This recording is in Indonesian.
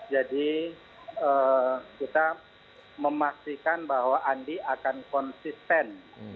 jadi kita memastikan bahwa andi akan konsisten